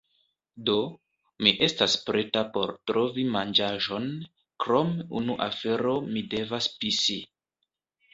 Do, mi estas preta por trovi manĝaĵon krom unu afero mi devas pisi